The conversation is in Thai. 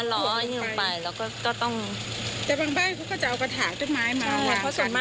หมู่บ้านนี้กี่ปีแล้วที่อาจที่ไปอยู่๑๔๑๕ปี